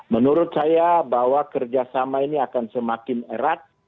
menurut saya bahwa kerjasama ini akan semakin erat